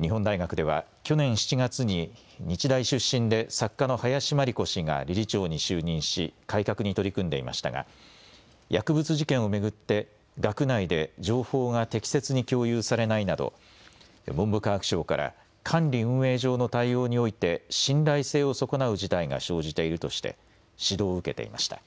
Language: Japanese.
日本大学では去年７月に日大出身で作家の林真理子氏が理事長に就任し改革に取り組んでいましたが薬物事件を巡って学内で情報が適切に共有されないなど文部科学省から管理運営上の対応において信頼性を損なう事態が生じているとして指導を受けていました。